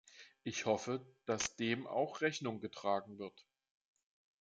Ich hoffe, dass dem auch Rechnung getragen wird.